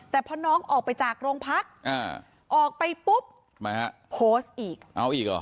แต่พอน้องออกไปจากโรงพักออกไปปุ๊บโพสต์อีก